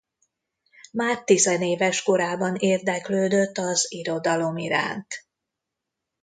Már tizenéves korában érdeklődött az irodalom iránt.